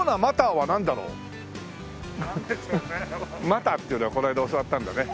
マターっていうのはこの間教わったんだね。